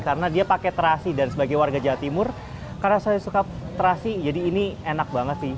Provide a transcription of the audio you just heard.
karena dia pakai terasi dan sebagai warga jawa timur karena saya suka terasi jadi ini enak banget sih